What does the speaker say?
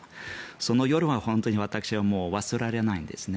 その夜は本当に私は忘れられないですね。